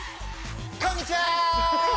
こんにちは！